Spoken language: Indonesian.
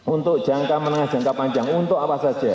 untuk jangka menengah jangka panjang untuk apa saja